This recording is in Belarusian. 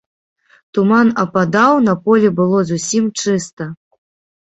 Туман ападаў, на полі было зусім чыста.